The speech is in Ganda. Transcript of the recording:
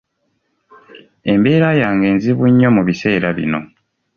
Embeera yange nzibu nnyo mu biseera bino.